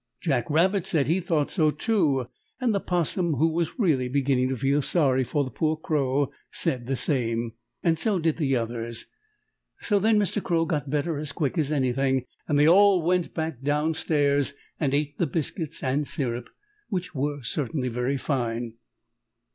Jack Rabbit said he thought so, too, and the 'Possum, who was really beginning to feel sorry for the poor Crow, said the same, and so did the others. So then Mr. Crow got better as quick as anything, and they all went back down stairs and ate the biscuits and syrup, which were certainly very fine.